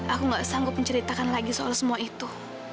aku gak sanggup menceritakan lagi soal semua itu